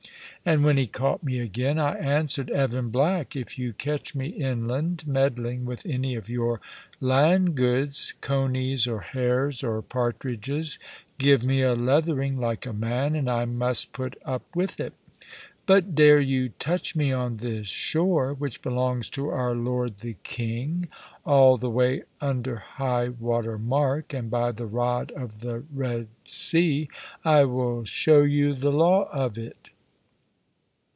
And when he caught me again, I answered, "Evan Black, if you catch me inland, meddling with any of your land goods, coneys, or hares, or partridges, give me a leathering like a man, and I must put up with it; but dare you touch me on this shore, which belongs to our lord the King, all the way under high water mark, and by the rod of the Red Sea I will show you the law of it."